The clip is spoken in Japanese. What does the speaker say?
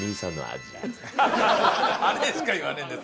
あれしか言わねえんだよ